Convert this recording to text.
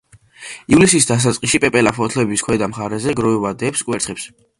ივლისის დასაწყისში პეპელა ფოთლის ქვედა მხარეზე გროვებად დებს კვერცხებს.